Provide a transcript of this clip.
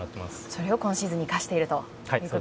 それを今シーズンに生かしていると。